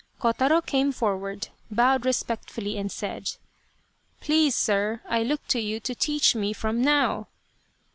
Kotaro came forward, bowed respectfully, and said :" Please, sir, I look to you to teach me from now."